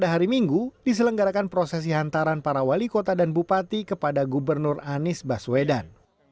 pada hari minggu diselenggarakan prosesi hantaran para wali kota dan bupati kepada gubernur anies baswedan